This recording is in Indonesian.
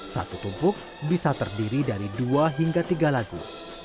satu tumpuk bisa terdiri dari dua hingga tiga lagu